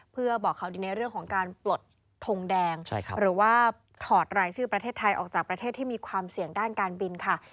เพื่อบอกข่าวดีในเรื่องของการปลดทงแดงหรือว่าถอดรายชื่อประเทศไทยออกจากประเทศที่มีความเสี่ยงด้านการบินค่ะ